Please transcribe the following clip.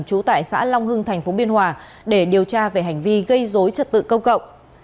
trú tại xã long hưng tp biên hòa để điều tra về hành vi gây dối trật tự công cộng